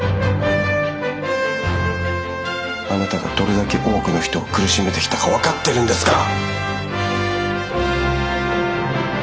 あなたがどれだけ多くの人を苦しめてきたか分かってるんですか？